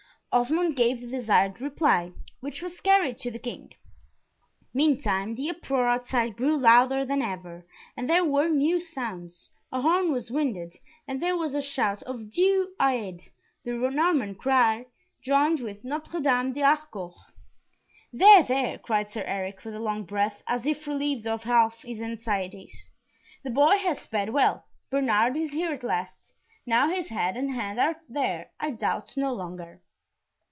Osmond gave the desired reply, which was carried to the King. Meantime the uproar outside grew louder than ever, and there were new sounds, a horn was winded, and there was a shout of "Dieu aide!" the Norman war cry, joined with "Notre Dame de Harcourt!" "There, there!" cried Sir Eric, with a long breath, as if relieved of half his anxieties, "the boy has sped well. Bernard is here at last! Now his head and hand are there, I doubt no longer."